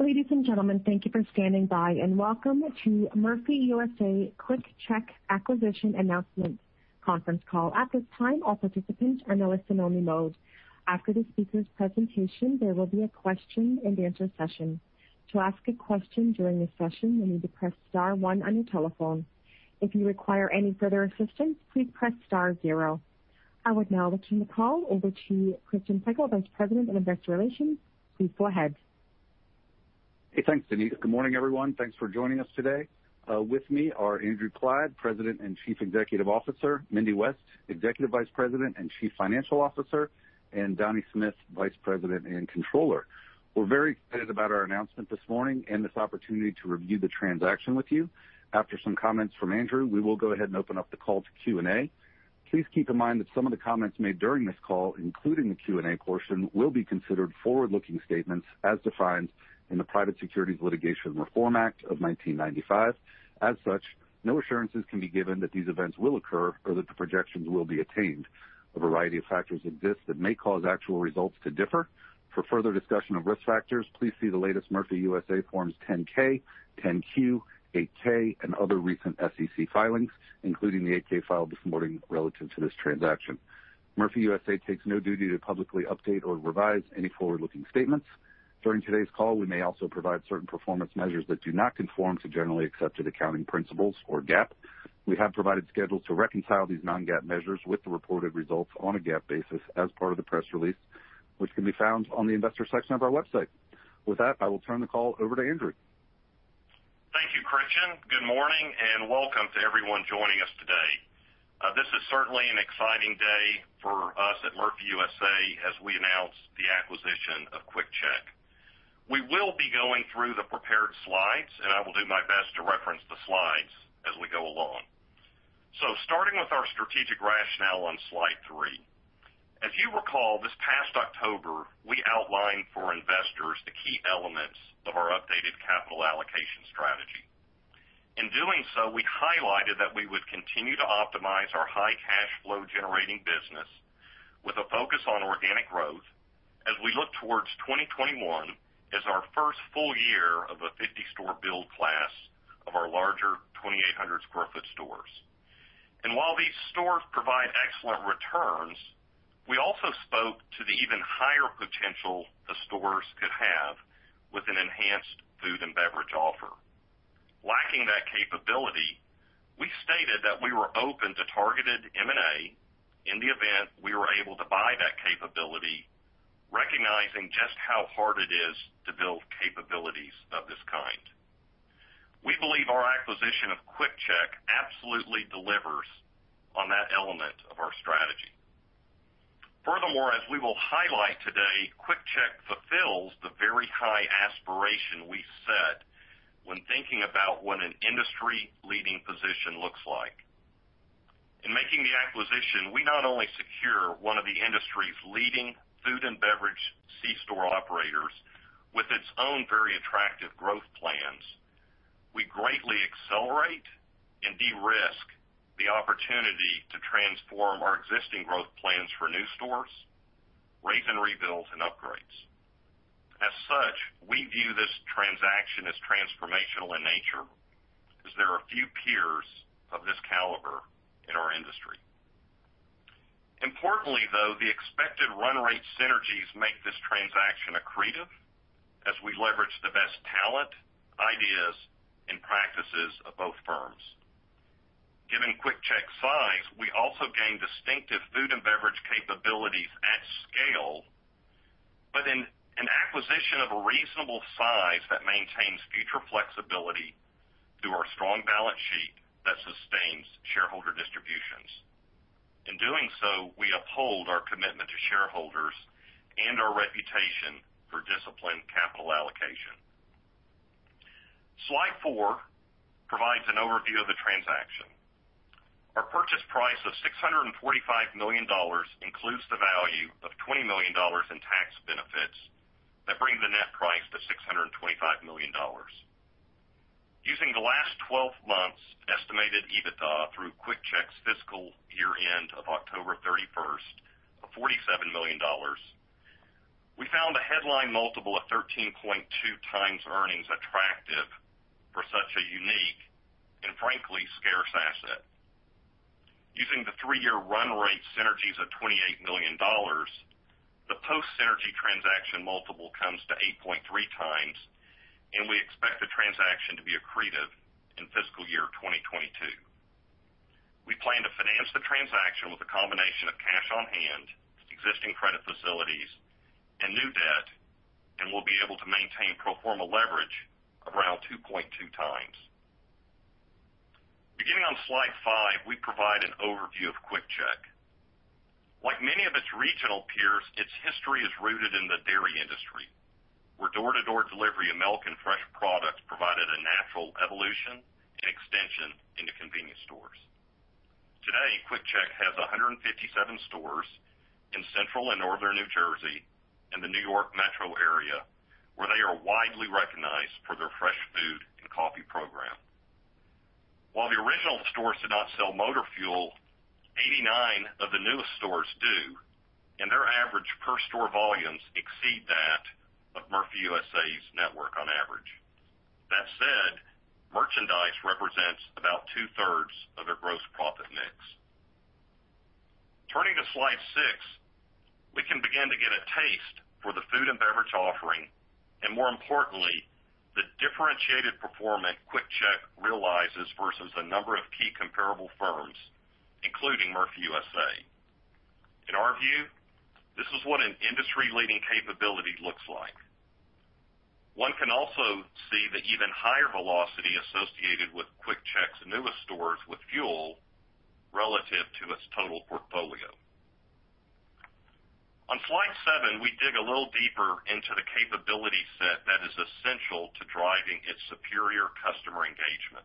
Ladies and gentlemen, thank you for standing by, and welcome to Murphy USA QuickChek Acquisition Announcements conference call. At this time, all participants are in a listen-only mode. After the speaker's presentation, there will be a question-and-answer session. To ask a question during this session, you need to press star one on your telephone. If you require any further assistance, please press star zero. I would now like to turn the call over to Christian Pikul, Vice President of Investor Relations. Please go ahead. Hey, thanks, Denise. Good morning, everyone. Thanks for joining us today. With me are Andrew Clyde, President and Chief Executive Officer; Mindy West, Executive Vice President and Chief Financial Officer; and Donnie Smith, Vice President and Controller. We're very excited about our announcement this morning and this opportunity to review the transaction with you. After some comments from Andrew, we will go ahead and open up the call to Q&A. Please keep in mind that some of the comments made during this call, including the Q&A portion, will be considered forward-looking statements as defined in the Private Securities Litigation Reform Act of 1995. As such, no assurances can be given that these events will occur or that the projections will be attained. A variety of factors exist that may cause actual results to differ. For further discussion of Risk Factors, please see the latest Murphy USA Forms 10-K, 10-Q, 8-K, and other recent SEC filings, including the 8-K filed this morning relative to this transaction. Murphy USA takes no duty to publicly update or revise any forward-looking statements. During today's call, we may also provide certain performance measures that do not conform to generally accepted accounting principles or GAAP. We have provided schedules to reconcile these non-GAAP measures with the reported results on a GAAP basis as part of the press release, which can be found on the investor section of our website. With that, I will turn the call over to Andrew. Thank you, Christian. Good morning and welcome to everyone joining us today. This is certainly an exciting day for us at Murphy USA as we announce the acquisition of QuickChek. We will be going through the prepared slides, and I will do my best to reference the slides as we go along. So, starting with our strategic rationale on slide three, as you recall, this past October, we outlined for investors the key elements of our updated capital allocation strategy. In doing so, we highlighted that we would continue to optimize our high cash flow generating business with a focus on organic growth as we look towards 2021 as our first full year of a 50-store build class of our larger 2,800 sq ft stores. And while these stores provide excellent returns, we also spoke to the even higher potential the stores could have with an enhanced food and beverage offer. Lacking that capability, we stated that we were open to targeted M&A in the event we were able to buy that capability, recognizing just how hard it is to build capabilities of this kind. We believe our acquisition of QuickChek absolutely delivers on that element of our strategy. Furthermore, as we will highlight today, QuickChek fulfills the very high aspiration we set when thinking about what an industry-leading position looks like. In making the acquisition, we not only secure one of the industry's leading food and beverage C-store operators with its own very attractive growth plans. We greatly accelerate and de-risk the opportunity to transform our existing growth plans for new stores, raze and rebuild, and upgrades. As such, we view this transaction as transformational in nature as there are few peers of this caliber in our industry. Importantly, though, the expected run rate synergies make this transaction accretive as we leverage the best talent, ideas, and practices of both firms. Given QuickChek's size, we also gain distinctive food and beverage capabilities at scale, but in an acquisition of a reasonable size that maintains future flexibility through our strong balance sheet that sustains shareholder distributions. In doing so, we uphold our commitment to shareholders and our reputation for disciplined capital allocation. Slide four provides an overview of the transaction. Our purchase price of $645 million includes the value of $20 million in tax benefits that bring the net price to $625 million. Using the last 12 months' estimated EBITDA through QuickChek's fiscal year-end of October 31st of $47 million, we found a headline multiple of 13.2x earnings attractive for such a unique and, frankly, scarce asset. Using the three-year run rate synergies of $28 million, the post-synergy transaction multiple comes to 8.3x, and we expect the transaction to be accretive in fiscal year 2022. We plan to finance the transaction with a combination of cash on hand, existing credit facilities, and new debt, and we'll be able to maintain pro forma leverage of around 2.2x. Beginning on slide five, we provide an overview of QuickChek. Like many of its regional peers, its history is rooted in the dairy industry, where door-to-door delivery of milk and fresh products provided a natural evolution and extension into convenience stores. Today, QuickChek has 157 stores in central and northern New Jersey and the New York metro area, where they are widely recognized for their fresh food and coffee program. While the original stores did not sell motor fuel, 89 of the newest stores do, and their average per-store volumes exceed that of Murphy USA's network on average. That said, merchandise represents about two-thirds of their gross profit mix. Turning to slide six, we can begin to get a taste for the food and beverage offering, and more importantly, the differentiated performance QuickChek realizes versus a number of key comparable firms, including Murphy USA. In our view, this is what an industry-leading capability looks like. One can also see the even higher velocity associated with QuickChek's newest stores with fuel relative to its total portfolio. On slide seven, we dig a little deeper into the capability set that is essential to driving its superior customer engagement.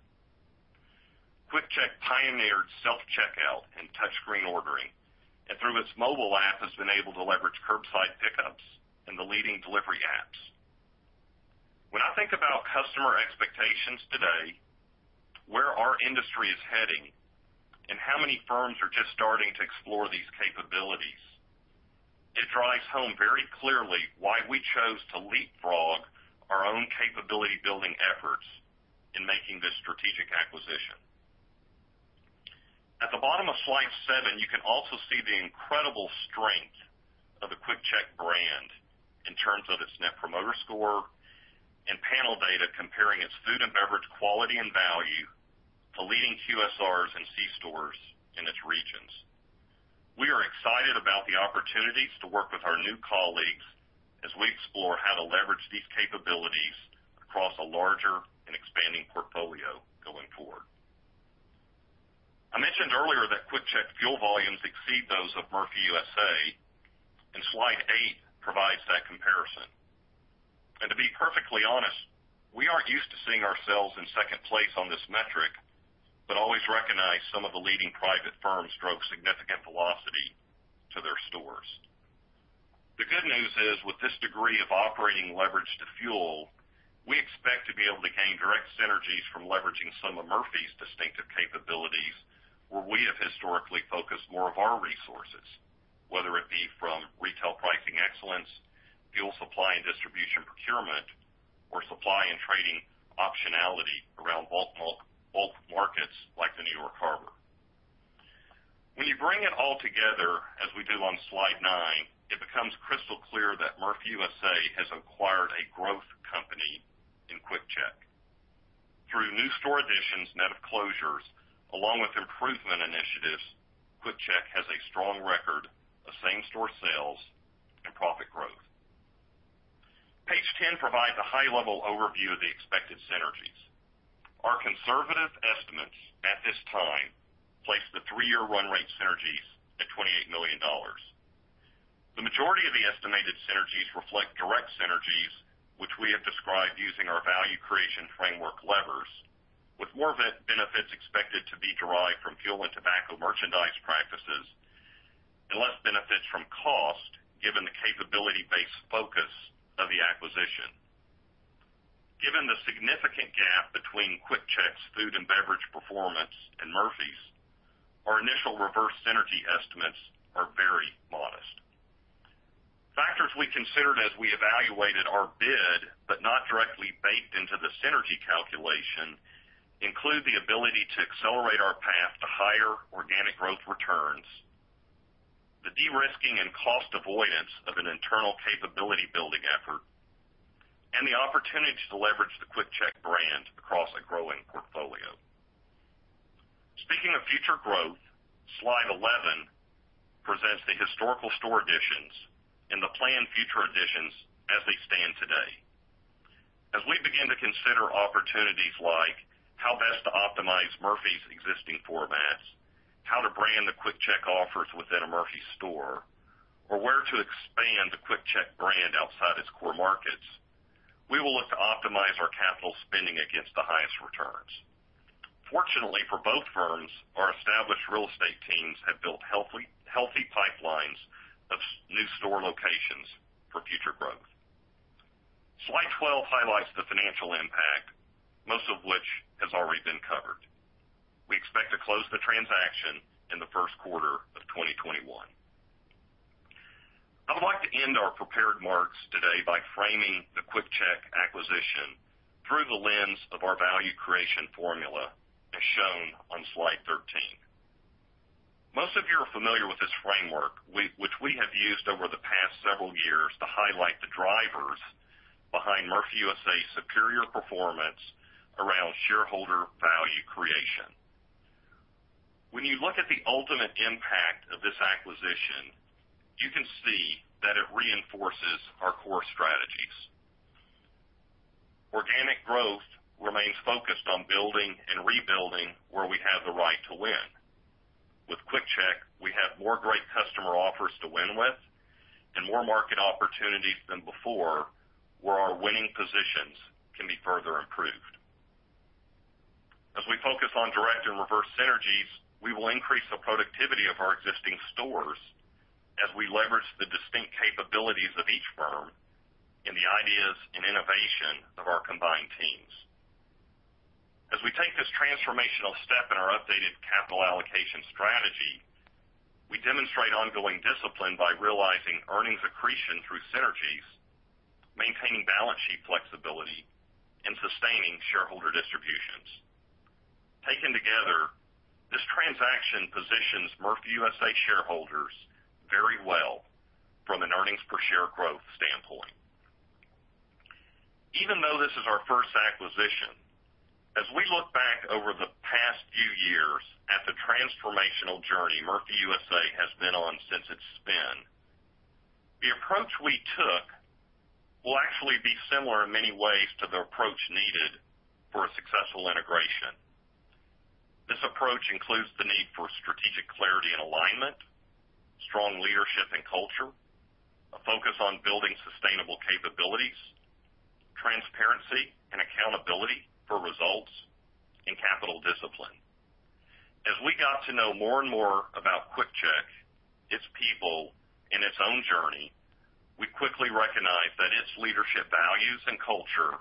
QuickChek pioneered self-checkout and touchscreen ordering, and through its mobile app, has been able to leverage curbside pickups and the leading delivery apps. When I think about customer expectations today, where our industry is heading, and how many firms are just starting to explore these capabilities, it drives home very clearly why we chose to leapfrog our own capability-building efforts in making this strategic acquisition. At the bottom of slide seven, you can also see the incredible strength of the QuickChek brand in terms of its Net Promoter Score and panel data comparing its food and beverage quality and value to leading QSRs and C-stores in its regions. We are excited about the opportunities to work with our new colleagues as we explore how to leverage these capabilities across a larger and expanding portfolio going forward. I mentioned earlier that QuickChek fuel volumes exceed those of Murphy USA, and slide eight provides that comparison. To be perfectly honest, we aren't used to seeing ourselves in second place on this metric, but always recognize some of the leading private firms drove significant velocity to their stores. The good news is, with this degree of operating leverage to fuel, we expect to be able to gain direct synergies from leveraging some of Murphy's distinctive capabilities, where we have historically focused more of our resources, whether it be from retail pricing excellence, fuel supply and distribution procurement, or supply and trading optionality around bulk markets like the New York Harbor. When you bring it all together, as we do on slide nine, it becomes crystal clear that Murphy USA has acquired a growth company in QuickChek. Through new store additions, net of closures, along with improvement initiatives, QuickChek has a strong record of same-store sales and profit growth. Page 10 provides a high-level overview of the expected synergies. Our conservative estimates at this time place the three-year run rate synergies at $28 million. The majority of the estimated synergies reflect direct synergies, which we have described using our value creation framework levers, with more benefits expected to be derived from fuel and tobacco merchandise practices and less benefits from cost given the capability-based focus of the acquisition. Given the significant gap between QuickChek's food and beverage performance and Murphy's, our initial reverse synergy estimates are very modest. Factors we considered as we evaluated our bid, but not directly baked into the synergy calculation, include the ability to accelerate our path to higher organic growth returns, the de-risking and cost avoidance of an internal capability-building effort, and the opportunity to leverage the QuickChek brand across a growing portfolio. Speaking of future growth, slide 11 presents the historical store additions and the planned future additions as they stand today. As we begin to consider opportunities like how best to optimize Murphy's existing formats, how to brand the QuickChek offers within a Murphy store, or where to expand the QuickChek brand outside its core markets, we will look to optimize our capital spending against the highest returns. Fortunately, for both firms, our established real estate teams have built healthy pipelines of new store locations for future growth. Slide 12 highlights the financial impact, most of which has already been covered. We expect to close the transaction in the first quarter of 2021. I would like to end our prepared remarks today by framing the QuickChek acquisition through the lens of our value creation formula as shown on slide 13. Most of you are familiar with this framework, which we have used over the past several years to highlight the drivers behind Murphy USA's superior performance around shareholder value creation. When you look at the ultimate impact of this acquisition, you can see that it reinforces our core strategies. Organic growth remains focused on building and rebuilding where we have the right to win. With QuickChek, we have more great customer offers to win with and more market opportunities than before, where our winning positions can be further improved. As we focus on direct and reverse synergies, we will increase the productivity of our existing stores as we leverage the distinct capabilities of each firm in the ideas and innovation of our combined teams. As we take this transformational step in our updated capital allocation strategy, we demonstrate ongoing discipline by realizing earnings accretion through synergies, maintaining balance sheet flexibility, and sustaining shareholder distributions. Taken together, this transaction positions Murphy USA shareholders very well from an earnings per share growth standpoint. Even though this is our first acquisition, as we look back over the past few years at the transformational journey Murphy USA has been on since its spin, the approach we took will actually be similar in many ways to the approach needed for a successful integration. This approach includes the need for strategic clarity and alignment, strong leadership and culture, a focus on building sustainable capabilities, transparency and accountability for results, and capital discipline. As we got to know more and more about QuickChek, its people, and its own journey, we quickly recognized that its leadership values and culture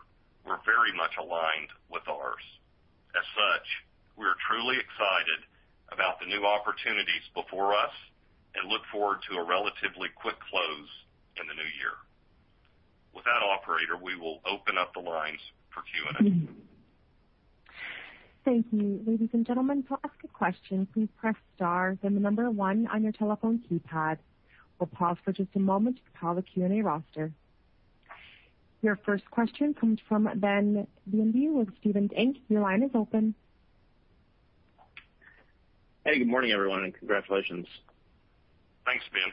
were very much aligned with ours. As such, we are truly excited about the new opportunities before us and look forward to a relatively quick close in the new year. With that, operator, we will open up the lines for Q&A. Thank you. Ladies and gentlemen, to ask a question, please press star then the number one on your telephone keypad. We'll pause for just a moment to call the Q&A roster. Your first question comes from Ben Bienvenu with Stephens Inc. Your line is open. Hey, good morning, everyone, and congratulations. Thanks, Ben.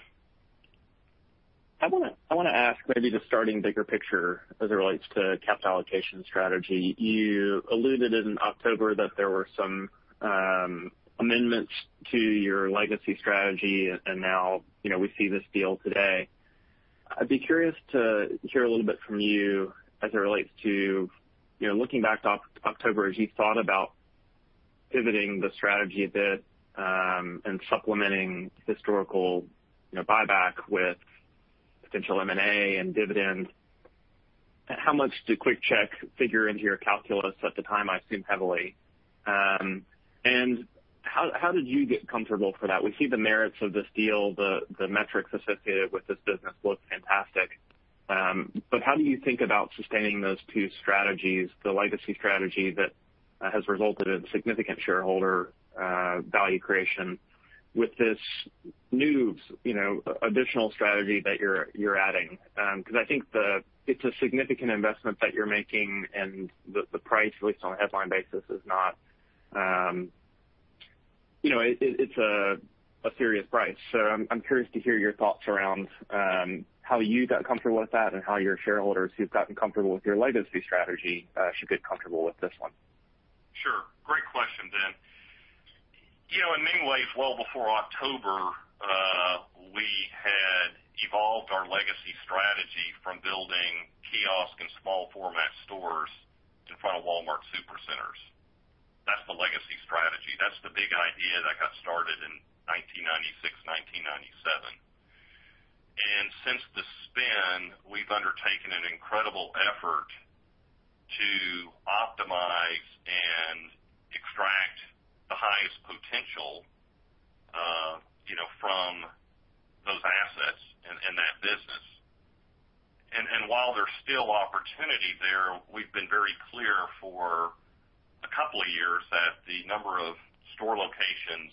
I want to ask maybe the starting bigger picture as it relates to capital allocation strategy. You alluded in October that there were some amendments to your legacy strategy, and now we see this deal today. I'd be curious to hear a little bit from you as it relates to looking back to October as you thought about pivoting the strategy a bit and supplementing historical buyback with potential M&A and dividend. How much did QuickChek figure into your calculus at the time? I assume heavily. And how did you get comfortable for that? We see the merits of this deal. The metrics associated with this business look fantastic. But how do you think about sustaining those two strategies, the legacy strategy that has resulted in significant shareholder value creation with this new additional strategy that you're adding? Because I think it's a significant investment that you're making, and the price, at least on a headline basis, is not a serious price. So I'm curious to hear your thoughts around how you got comfortable with that and how your shareholders who've gotten comfortable with your legacy strategy should get comfortable with this one. Sure. Great question, Ben. In many ways, well before October, we had evolved our legacy strategy from building kiosk and small format stores in front of Walmart supercenters. That's the legacy strategy. That's the big idea that got started in 1996, 1997. And since the spin, we've undertaken an incredible effort to optimize and extract the highest potential from those assets and that business. And while there's still opportunity there, we've been very clear for a couple of years that the number of store locations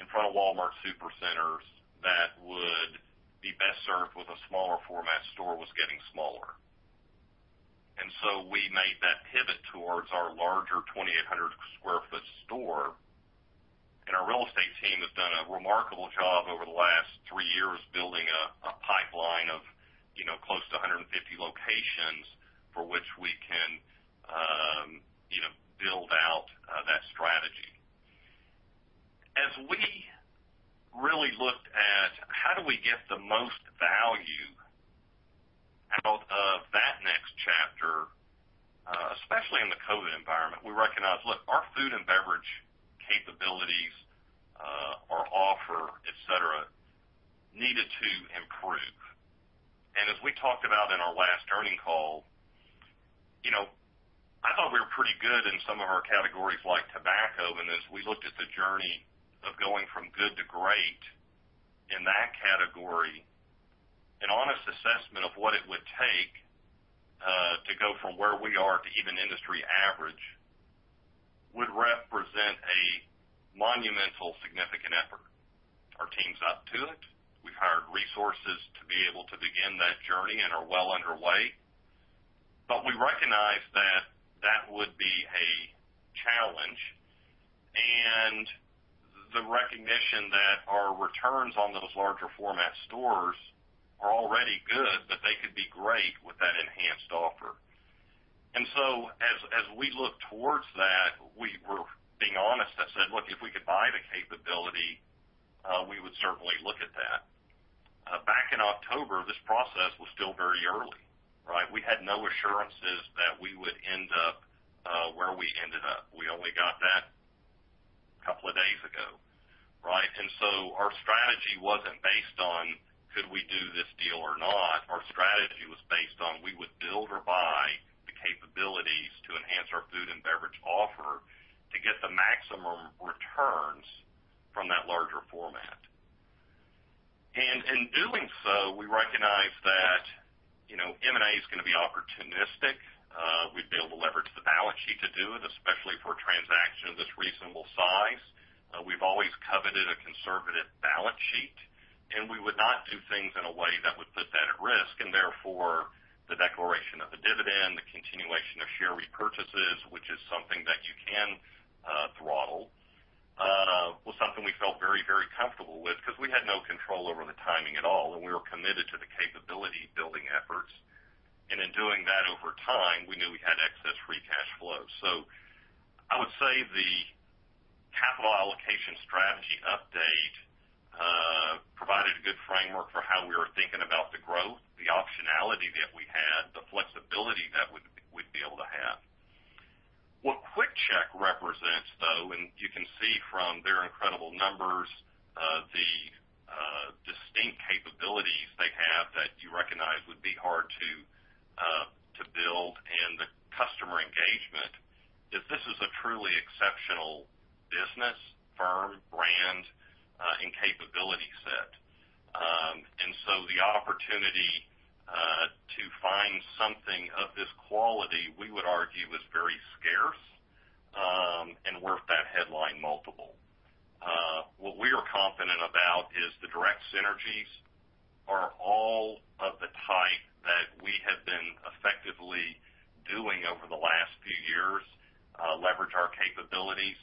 in front of Walmart supercenters that would be best served with a smaller format store was getting smaller. And so we made that pivot towards our larger 2,800 sq ft store. And our real estate team has done a remarkable job over the last three years building a pipeline of close to 150 locations for which we can build out that strategy. As we really looked at how do we get the most value out of that next chapter, especially in the COVID environment, we recognized, look, our food and beverage capabilities, our offer, etc., needed to improve. And as we talked about in our last earnings call, I thought we were pretty good in some of our categories like tobacco. And as we looked at the journey of going from good to great in that category, an honest assessment of what it would take to go from where we are to even industry average would represent a monumentally significant effort. Our team's up to it. We've hired resources to be able to begin that journey and are well underway. But we recognize that that would be a challenge. And the recognition that our returns on those larger format stores are already good, but they could be great with that enhanced offer. And so as we look towards that, we were being honest and said, "Look, if we could buy the capability, we would certainly look at that." Back in October, this process was still very early, right? We had no assurances that we would end up where we ended up. We only got that a couple of days ago, right? And so our strategy wasn't based on could we do this deal or not. Our strategy was based on we would build or buy the capabilities to enhance our food and beverage offer to get the maximum returns from that larger format. And in doing so, we recognize that M&A is going to be opportunistic. We'd be able to leverage the balance sheet to do it, especially for a transaction of this reasonable size. We've always coveted a conservative balance sheet, and we would not do things in a way that would put that at risk. And therefore, the declaration of the dividend, the continuation of share repurchases, which is something that you can throttle, was something we felt very, very comfortable with because we had no control over the timing at all. And we were committed to the capability building efforts. And in doing that over time, we knew we had excess free cash flow. So I would say the capital allocation strategy update provided a good framework for how we were thinking about the growth, the optionality that we had, the flexibility that we'd be able to have. What QuickChek represents, though, and you can see from their incredible numbers, the distinct capabilities they have that you recognize would be hard to build and the customer engagement, is this is a truly exceptional business, firm, brand, and capability set. And so the opportunity to find something of this quality, we would argue, was very scarce and worth that headline multiple. What we are confident about is the direct synergies are all of the type that we have been effectively doing over the last few years, leverage our capabilities,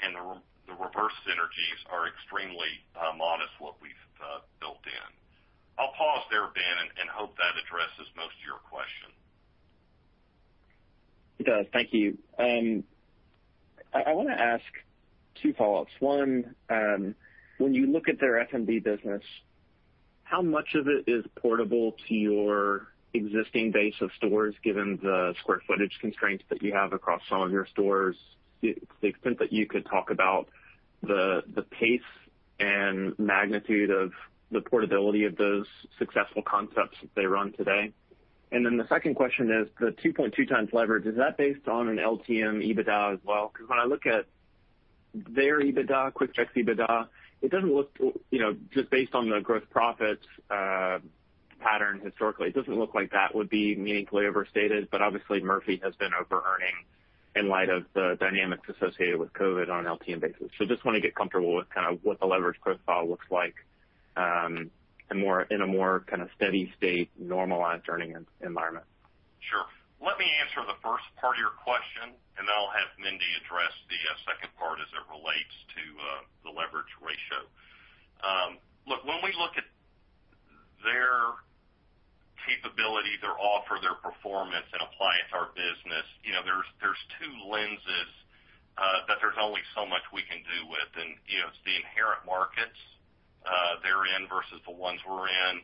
and the reverse synergies are extremely modest, what we've built in. I'll pause there, Ben, and hope that addresses most of your question. It does. Thank you. I want to ask two follow-ups. One, when you look at their F&B business, how much of it is portable to your existing base of stores given the square footage constraints that you have across some of your stores? To the extent that you could talk about the pace and magnitude of the portability of those successful concepts that they run today. And then the second question is the 2.2x leverage. Is that based on an LTM EBITDA as well? Because when I look at their EBITDA, QuickChek's EBITDA, it doesn't look just based on the gross profits pattern historically. It doesn't look like that would be meaningfully overstated, but obviously, Murphy has been over-earning in light of the dynamics associated with COVID on an LTM basis. So I just want to get comfortable with kind of what the leverage profile looks like in a more kind of steady state, normalized earnings environment. Sure. Let me answer the first part of your question, and then I'll have Mindy address the second part as it relates to the leverage ratio. Look, when we look at their capability, their offer, their performance, and apply it to our business, there's two lenses that there's only so much we can do with, and it's the inherent markets they're in versus the ones we're in,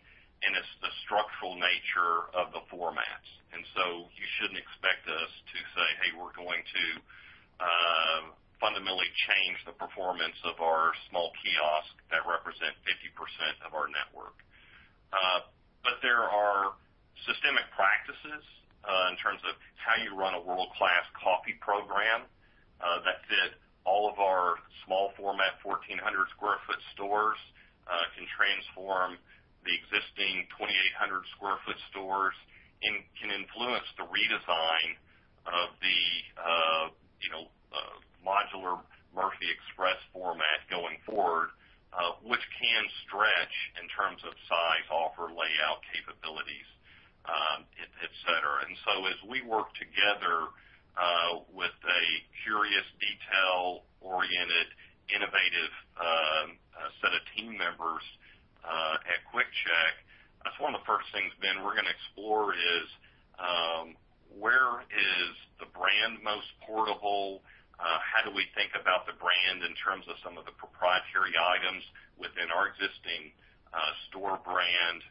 and it's the structural nature of the formats. And so you shouldn't expect us to say, "Hey, we're going to fundamentally change the performance of our small kiosks that represent 50% of our network." But there are systemic practices in terms of how you run a world-class coffee program that fit all of our small format 1,400 sq ft stores can transform the existing 2,800 sq ft stores and can influence the redesign of the modular Murphy Express format going forward, which can stretch in terms of size, offer, layout, capabilities, etc. And so as we work together with a curious, detail-oriented, innovative set of team members at QuickChek, that's one of the first things, Ben, we're going to explore is where is the brand most portable? How do we think about the brand in terms of some of the proprietary items within our existing store brand?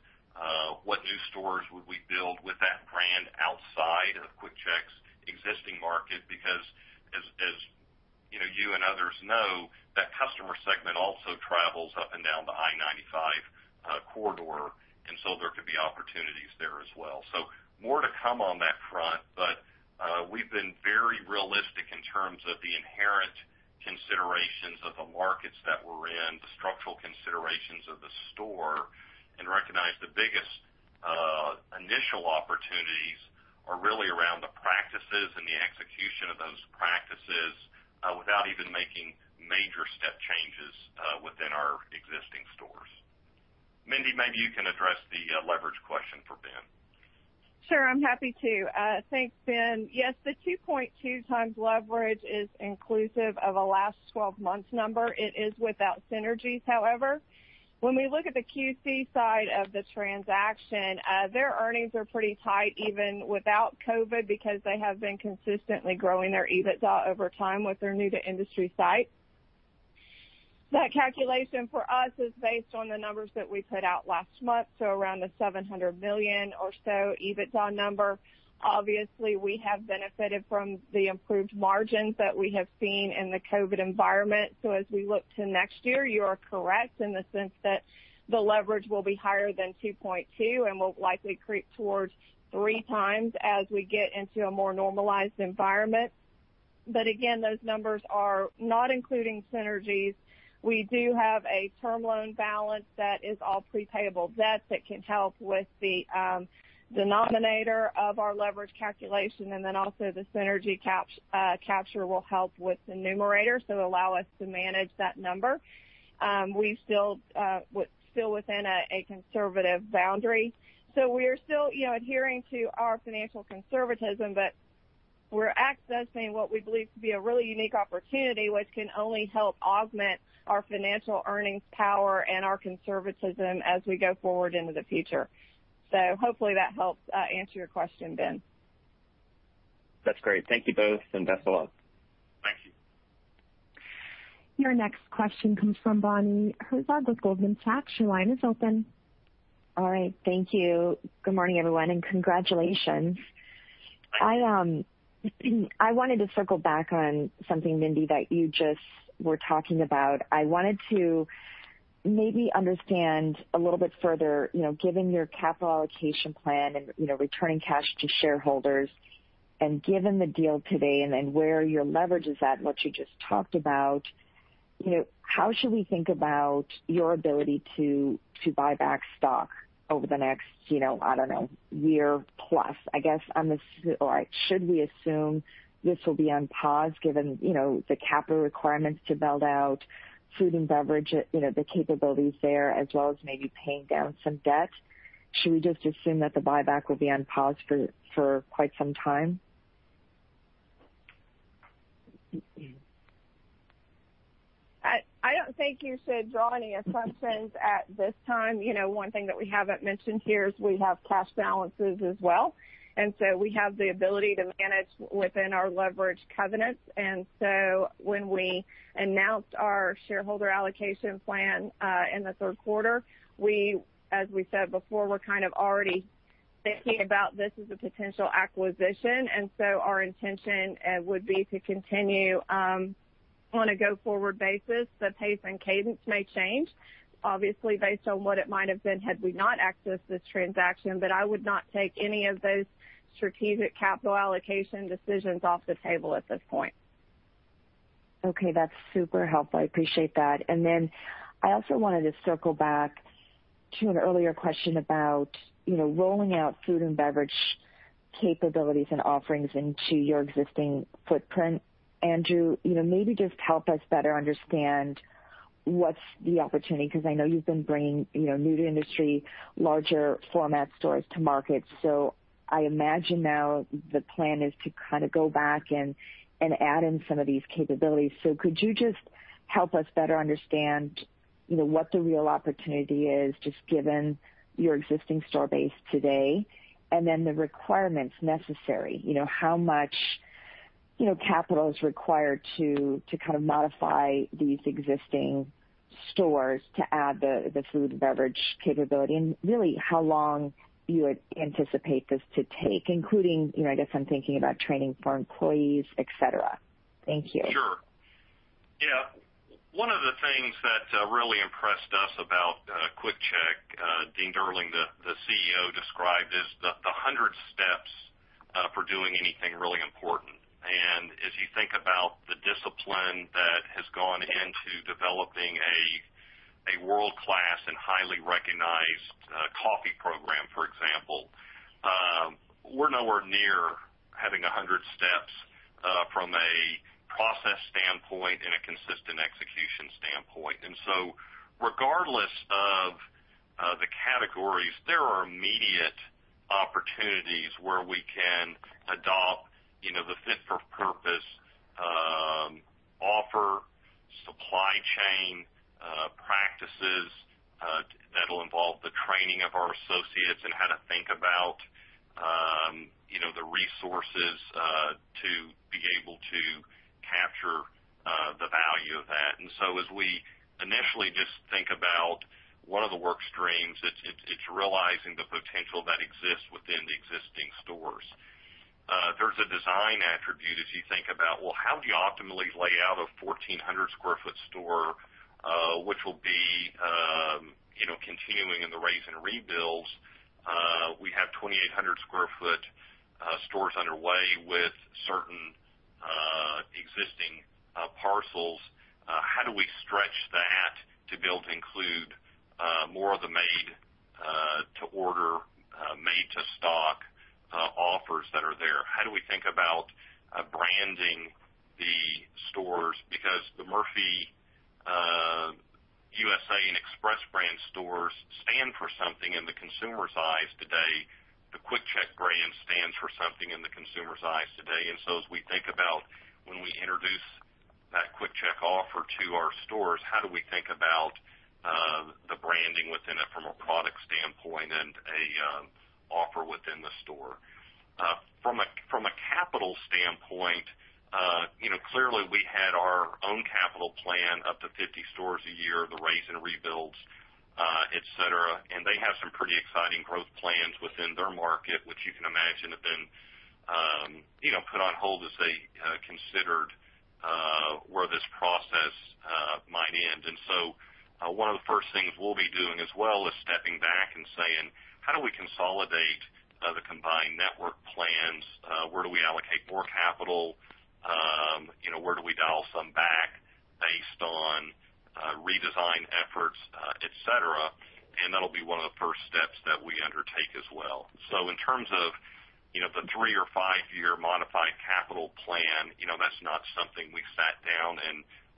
What new stores would we build with that brand outside of QuickChek's existing market? Because as you and others know, that customer segment also travels up and down the I-95 corridor, and so there could be opportunities there as well. So more to come on that front, but we've been very realistic in terms of the inherent considerations of the markets that we're in, the structural considerations of the store, and recognize the biggest initial opportunities are really around the practices and the execution of those practices without even making major step changes within our existing stores. Mindy, maybe you can address the leverage question for Ben. Sure. I'm happy to. Thanks, Ben. Yes, the 2.2x leverage is inclusive of a last 12-month number. It is without synergies, however. When we look at the QC side of the transaction, their earnings are pretty tight even without COVID because they have been consistently growing their EBITDA over time with their new-to-industry site. That calculation for us is based on the numbers that we put out last month, so around a $700 million or so EBITDA number. Obviously, we have benefited from the improved margins that we have seen in the COVID environment. As we look to next year, you are correct in the sense that the leverage will be higher than 2.2x and will likely creep towards three times as we get into a more normalized environment. Again, those numbers are not including synergies. We do have a term loan balance that is all prepayable debt that can help with the denominator of our leverage calculation, and then also the synergy capture will help with the numerator, so allow us to manage that number. We're still within a conservative boundary, so we are still adhering to our financial conservatism, but we're accessing what we believe to be a really unique opportunity, which can only help augment our financial earnings power and our conservatism as we go forward into the future, so hopefully that helps answer your question, Ben. That's great. Thank you both and best of luck. Thank you. Your next question comes from Bonnie Herzog with Goldman Sachs. Your line is open. All right. Thank you. Good morning, everyone, and congratulations. I wanted to circle back on something, Mindy, that you just were talking about. I wanted to maybe understand a little bit further, given your capital allocation plan and returning cash to shareholders, and given the deal today and then where your leverage is at, what you just talked about, how should we think about your ability to buy back stock over the next, I don't know, year plus? I guess, should we assume this will be on pause given the capital requirements to build out food and beverage, the capabilities there, as well as maybe paying down some debt? Should we just assume that the buyback will be on pause for quite some time? I don't think you should draw any assumptions at this time. One thing that we haven't mentioned here is we have cash balances as well. And so we have the ability to manage within our leverage covenants. And so when we announced our shareholder allocation plan in the third quarter, we, as we said before, were kind of already thinking about this as a potential acquisition. And so our intention would be to continue on a go-forward basis. The pace and cadence may change, obviously, based on what it might have been had we not accessed this transaction, but I would not take any of those strategic capital allocation decisions off the table at this point. Okay. That's super helpful. I appreciate that. And then I also wanted to circle back to an earlier question about rolling out food and beverage capabilities and offerings into your existing footprint. Andrew, maybe just help us better understand what's the opportunity because I know you've been bringing new-to-industry, larger format stores to market. So I imagine now the plan is to kind of go back and add in some of these capabilities. So could you just help us better understand what the real opportunity is just given your existing store base today and then the requirements necessary? How much capital is required to kind of modify these existing stores to add the food and beverage capability? And really, how long do you anticipate this to take, including, I guess, I'm thinking about training for employees, etc.? Thank you. Sure. Yeah. One of the things that really impressed us about QuickChek, Dean Durling, the CEO, described is the 100 steps for doing anything really important. And as you think about the discipline that has gone into developing a world-class and highly recognized coffee program, for example, we're nowhere near having 100 steps from a process standpoint and a consistent execution standpoint. And so regardless of the categories, there are immediate opportunities where we can adopt the fit-for-purpose offer, supply chain practices that'll involve the training of our associates and how to think about the resources to be able to capture the value of that. And so as we initially just think about one of the work streams, it's realizing the potential that exists within the existing stores. There's a design attribute as you think about, well, how do you optimally lay out a 1,400 sq ft store, which will be continuing in the raze and rebuilds? We have 2,800 sq ft stores underway with certain existing parcels. How do we stretch that to be able to include more of the made-to-order, made-to-stock offers that are there? How do we think about branding the stores? Because the Murphy USA and Express brand stores stand for something in the consumer's eyes today. The QuickChek brand stands for something in the consumer's eyes today. And so as we think about when we introduce that QuickChek offer to our stores, how do we think about the branding within it from a product standpoint and an offer within the store? From a capital standpoint, clearly, we had our own capital plan up to 50 stores a year, the raze and rebuilds, etc., and they have some pretty exciting growth plans within their market, which you can imagine have been put on hold as they considered where this process might end, and so one of the first things we'll be doing as well is stepping back and saying, how do we consolidate the combined network plans? Where do we allocate more capital? Where do we dial some back based on redesign efforts, etc., and that'll be one of the first steps that we undertake as well. So in terms of the three or five-year modified capital plan, that's not something we sat down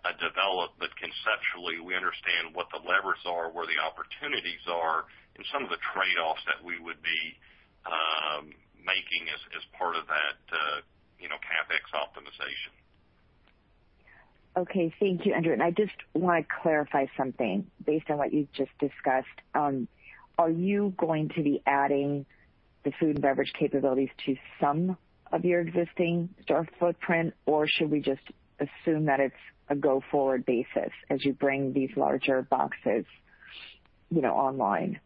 and developed, but conceptually, we understand what the leverage are, where the opportunities are, and some of the trade-offs that we would be making as part of that CapEx optimization. Okay. Thank you, Andrew. And I just want to clarify something based on what you just discussed. Are you going to be adding the food and beverage capabilities to some of your existing store footprint, or should we just assume that it's a go-forward basis as you bring these larger boxes online?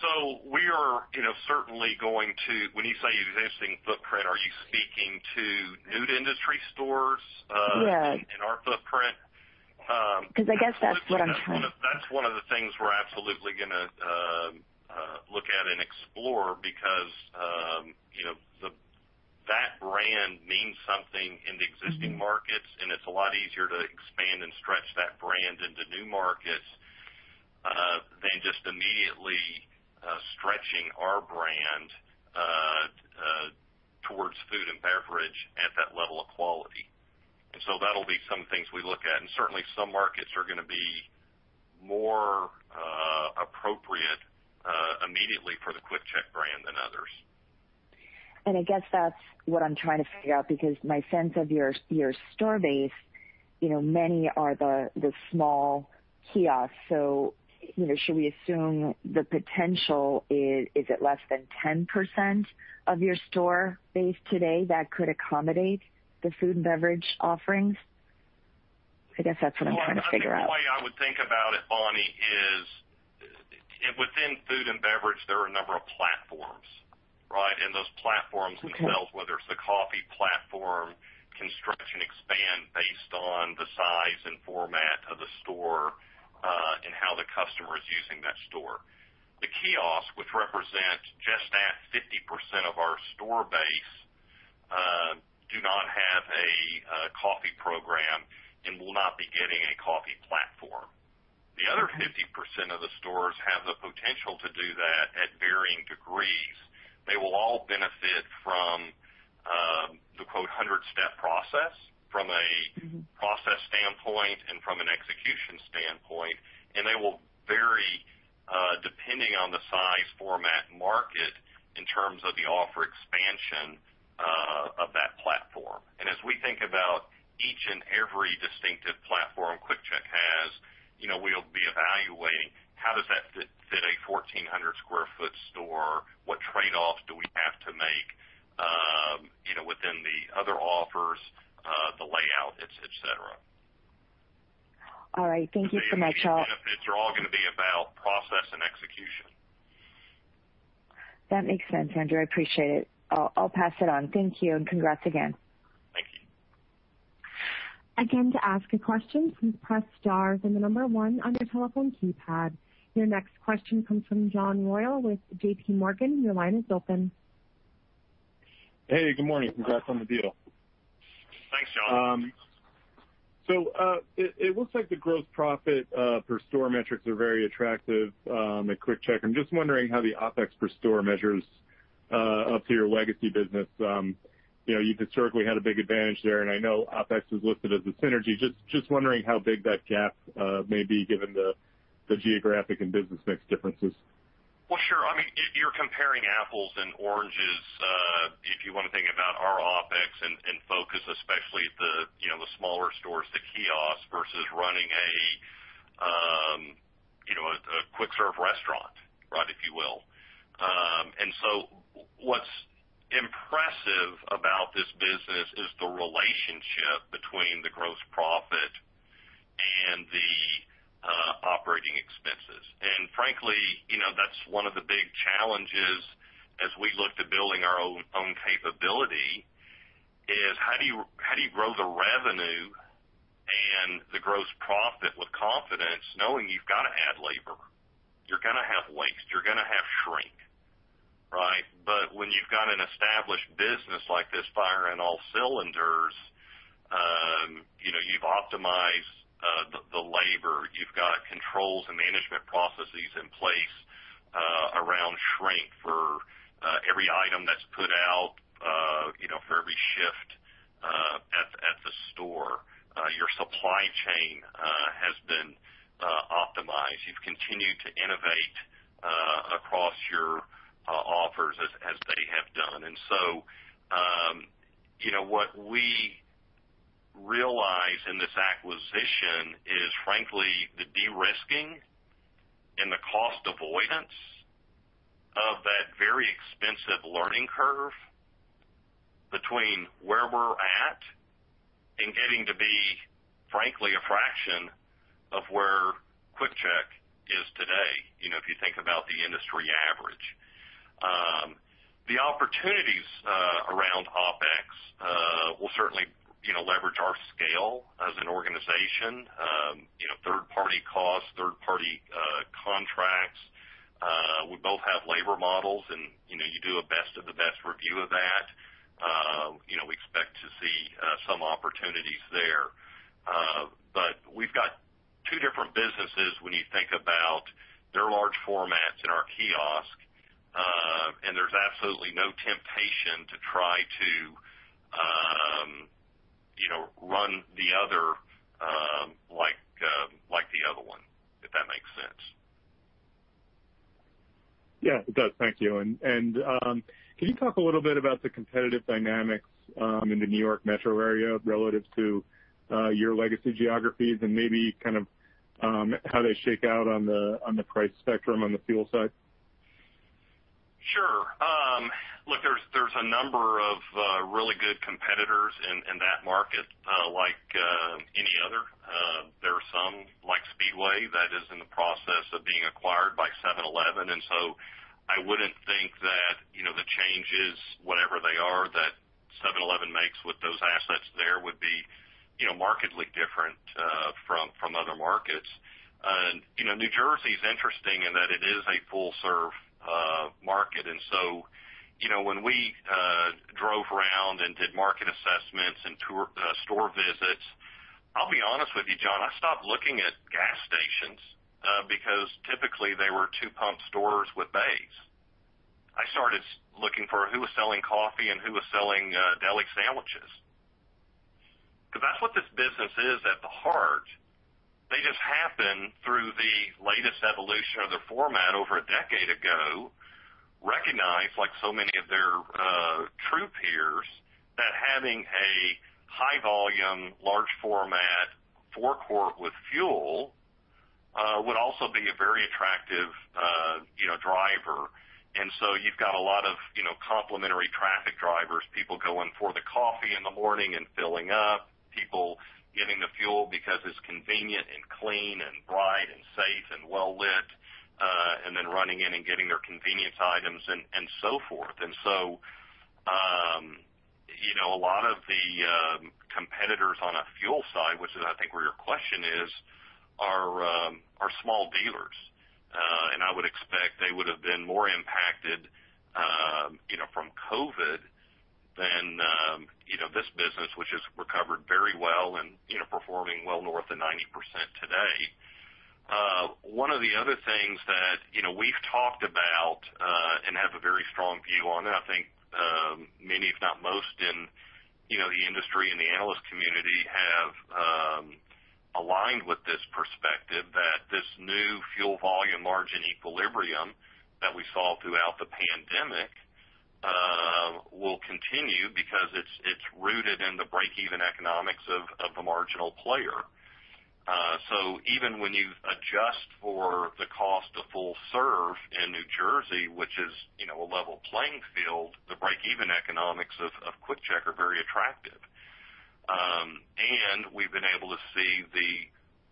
So we are certainly going to, when you say existing footprint, are you speaking to new-to-industry stores in our footprint? Yes. Because I guess that's what I'm trying to. That's one of the things we're absolutely going to look at and explore because that brand means something in the existing markets, and it's a lot easier to expand and stretch that brand into new markets than just immediately stretching our brand towards food and beverage at that level of quality. And so that'll be some things we look at. And certainly, some markets are going to be more appropriate immediately for the QuickChek brand than others. I guess that's what I'm trying to figure out because my sense of your store base, many are the small kiosks. Should we assume the potential is at less than 10% of your store base today that could accommodate the food and beverage offerings? I guess that's what I'm trying to figure out. The way I would think about it, Bonnie, is within food and beverage, there are a number of platforms, right? And those platforms themselves, whether it's the coffee platform, can stretch and expand based on the size and format of the store and how the customer is using that store. The kiosks, which represent just that 50% of our store base, do not have a coffee program and will not be getting a coffee platform. The other 50% of the stores have the potential to do that at varying degrees. They will all benefit from the, quote, 100-step process from a process standpoint and from an execution standpoint. And they will vary depending on the size, format, market in terms of the offer expansion of that platform. And as we think about each and every distinctive platform QuickChek has, we'll be evaluating how does that fit a 1,400 sq ft store? What trade-offs do we have to make within the other offers, the layout, etc.? All right. Thank you so much. These benefits are all going to be about process and execution. That makes sense, Andrew. I appreciate it. I'll pass it on. Thank you and congrats again. Thank you. Again, to ask a question, please press stars and the number one on your telephone keypad. Your next question comes from John Royall with JPMorgan. Your line is open. Hey, good morning. Congrats on the deal. Thanks, John. So it looks like the gross profit per store metrics are very attractive at QuickChek. I'm just wondering how the OpEx per store measures up to your legacy business. You've historically had a big advantage there, and I know OpEx is listed as a synergy. Just wondering how big that gap may be given the geographic and business mix differences. Sure. I mean, you're comparing apples and oranges if you want to think about our OpEx and food costs, especially the smaller stores, the kiosks versus running a quick-serve restaurant, right, if you will. And so what's impressive about this business is the relationship between the gross profit and the operating expenses. And frankly, that's one of the big challenges as we look to building our own capability is how do you grow the revenue and the gross profit with confidence knowing you've got to add labor. You're going to have waste. You're going to have shrink, right? But when you've got an established business like this, firing on all cylinders, you've optimized the labor. You've got controls and management processes in place around shrink for every item that's put out for every shift at the store. Your supply chain has been optimized. You've continued to innovate across your offers as they have done. And so what we realize in this acquisition is, frankly, the de-risking and the cost avoidance of that very expensive learning curve between where we're at and getting to be, frankly, a fraction of where QuickChek is today, if you think about the industry average. The opportunities around OpEx will certainly leverage our scale as an organization, third-party costs, third-party contracts. We both have labor models, and you do a best of the best review of that. We expect to see some opportunities there. But we've got two different businesses when you think about their large formats and our kiosks. And there's absolutely no temptation to try to run the other like the other one, if that makes sense. Yeah, it does. Thank you. And can you talk a little bit about the competitive dynamics in the New York metro area relative to your legacy geographies and maybe kind of how they shake out on the price spectrum on the fuel side? Sure. Look, there's a number of really good competitors in that market like any other. There are some like Speedway that is in the process of being acquired by 7-Eleven. And so I wouldn't think that the changes, whatever they are, that 7-Eleven makes with those assets there would be markedly different from other markets. New Jersey is interesting in that it is a full-serve market. And so when we drove around and did market assessments and store visits, I'll be honest with you, John, I stopped looking at gas stations because typically they were two-pump stores with bays. I started looking for who was selling coffee and who was selling deli sandwiches. Because that's what this business is at the heart. They just went through the latest evolution of their format over a decade ago, recognized like so many of their true peers, that having a high-volume, large-format forecourt with fuel would also be a very attractive driver, and so you've got a lot of complementary traffic drivers, people going for the coffee in the morning and filling up, people getting the fuel because it's convenient and clean and bright and safe and well-lit, and then running in and getting their convenience items and so forth, and so a lot of the competitors on a fuel side, which is, I think, where your question is, are small dealers, and I would expect they would have been more impacted from COVID than this business, which has recovered very well and performing well north of 90% today. One of the other things that we've talked about and have a very strong view on, and I think many, if not most, in the industry and the analyst community have aligned with this perspective that this new fuel volume margin equilibrium that we saw throughout the pandemic will continue because it's rooted in the break-even economics of the marginal player, so even when you adjust for the cost of full-serve in New Jersey, which is a level playing field, the break-even economics of QuickChek are very attractive, and we've been able to see the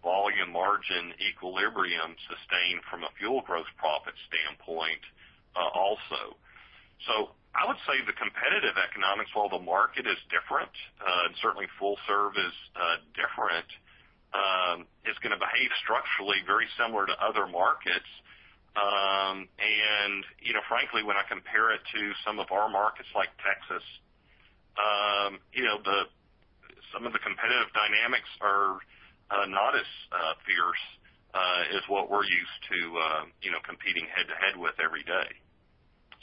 volume margin equilibrium sustained from a fuel growth profit standpoint also, so I would say the competitive economics, while the market is different and certainly full-serve is different, is going to behave structurally very similar to other markets. And frankly, when I compare it to some of our markets like Texas, some of the competitive dynamics are not as fierce as what we're used to competing head-to-head with every day.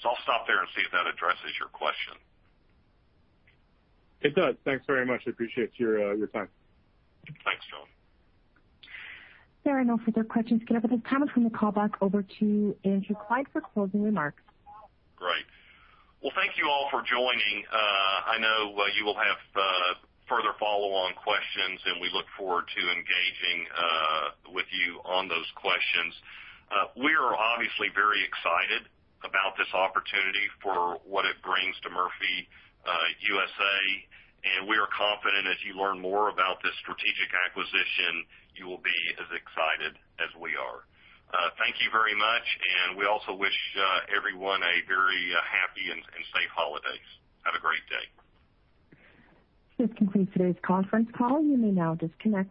So I'll stop there and see if that addresses your question. It does. Thanks very much. I appreciate your time. Thanks, John. There are no further questions given at this time. I'm going to call back over to Andrew Clyde for closing remarks. Great. Well, thank you all for joining. I know you will have further follow-on questions, and we look forward to engaging with you on those questions. We are obviously very excited about this opportunity for what it brings to Murphy USA, and we are confident as you learn more about this strategic acquisition, you will be as excited as we are. Thank you very much, and we also wish everyone a very happy and safe holidays. Have a great day. This concludes today's conference call. You may now disconnect.